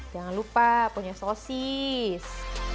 jangan lupa punya sosis